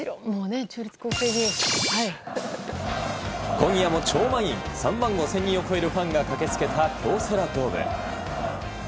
今夜も超満員３万５０００人を超えるファンが駆け付けた京セラドーム。